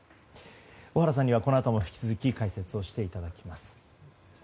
小原さんには、このあとも引き続き解説していただきます。